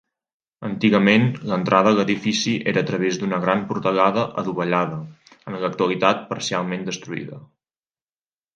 Antigament l'entrada a l'edifici era a través d'una gran portalada adovellada, en l'actualitat parcialment destruïda.